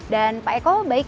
dan pak eko baik kita lanjutkan